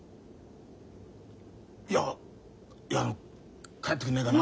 いやいやあの帰ってくんねえかな。